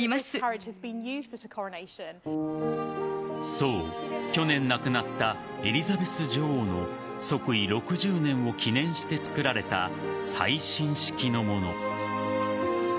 そう、去年亡くなったエリザベス女王の即位６０年を記念して作られた最新式のもの。